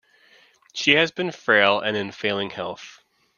She had been frail and in failing health.